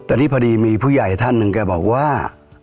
แต่นี่พอดีมีผู้ใหญ่ท่านหนึ่งแกบอกว่า